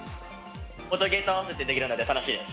音ゲーとあわせてできるので楽しいです。